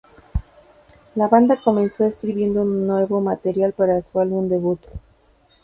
La banda comenzó escribiendo un material nuevo para su álbum debut.